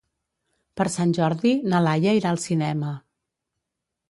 Per Sant Jordi na Laia irà al cinema.